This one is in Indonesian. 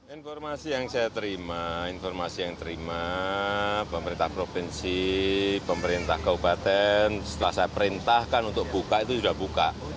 informasi yang saya terima informasi yang terima pemerintah provinsi pemerintah kabupaten setelah saya perintahkan untuk buka itu sudah buka